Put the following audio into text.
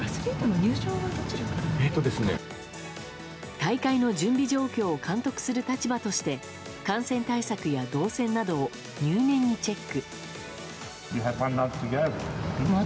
大会の準備状況を監督する立場として感染対策や動線などを入念にチェック。